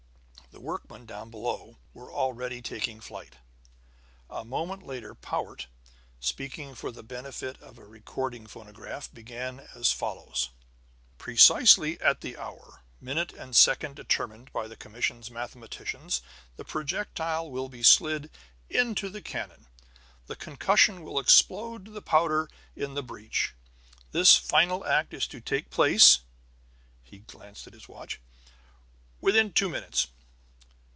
The workmen, down below, were already taking flight. A moment later Powart, speaking for the benefit of a recording phonograph, began as follows: "Precisely at the hour, minute and second determined by the commission's mathematicians the projectile will be slid into the cannon. The concussion will explode the powder in the breech. This final act is to take place" he glanced at his watch "within two minutes.